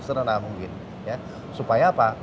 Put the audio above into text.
serendah mungkin supaya